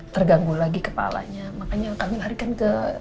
terganggu lagi kepalanya makanya kami larikan ke